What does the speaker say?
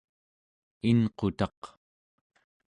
inqutaq